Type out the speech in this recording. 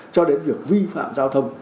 cho đến việc vi phạm giao thông